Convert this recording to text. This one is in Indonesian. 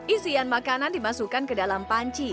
isian makanan dimasukkan ke dalam panci